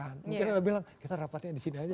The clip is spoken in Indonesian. mungkin ada yang bilang kita rapatnya disini aja